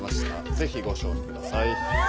ぜひご賞味ください。